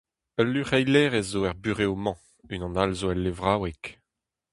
Ul luc'heilerez zo er burev-mañ, unan all zo el levraoueg.